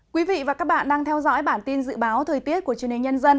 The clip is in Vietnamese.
quý vị và các bạn đang theo dõi bản tin dự báo thời tiết của truyền hình nhân dân